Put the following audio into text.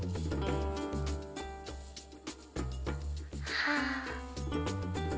はあ。